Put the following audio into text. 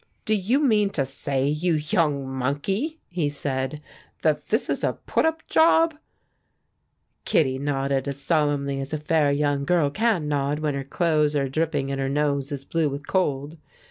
"Do you mean to say, you young monkey," he said, "that this is a put up job?" Kittie nodded as solemnly as a fair young girl can nod when her clothes are dripping and her nose is blue with cold.